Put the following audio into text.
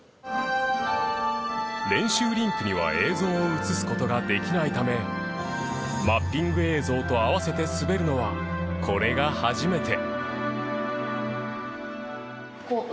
練習リンクには映像を映す事ができないためマッピング映像と合わせて滑るのはこれが初めて。